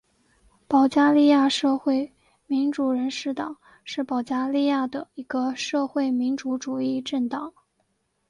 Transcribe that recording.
保加利亚社会民主人士党是保加利亚的一个社会民主主义政党。